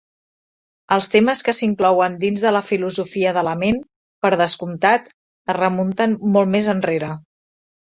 Els temes que s'inclouen dins de la filosofia de la ment, per descomptat, es remunten molt més enrere.